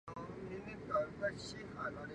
但苏绍本人未在二十四友之列。